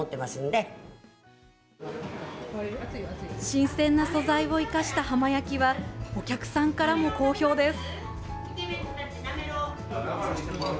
新鮮な素材を生かした浜焼きはお客さんからも好評です。